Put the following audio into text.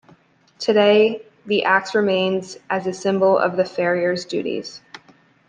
Today, the axe remains as a symbol of the Farrier's duties.